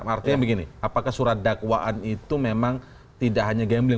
artinya begini apakah surat dakwaan itu memang tidak hanya gambling